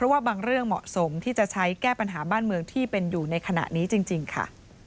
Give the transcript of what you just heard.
ว่าบางเรื่องเหมาะสมที่จะใช้แก้ปัญหาบ้านเมืองที่เป็นอยู่ในขณะนี้จริงค่ะ